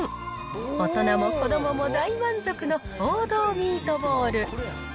大人も子どもも大満足の王道ミートボール。